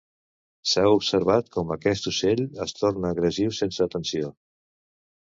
S'ha observat com aquest ocell es torna agressiu sense atenció.